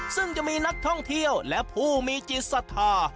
ซึ่งจะมีนักท่องเที่ยวและผู้มีจิตศรัทธา